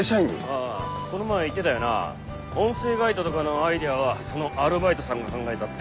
ああこの前言ってたよな音声ガイドとかのアイデアはそのアルバイトさんが考えたって。